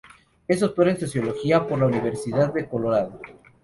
Es doctor en sociología por la Universidad de Colorado.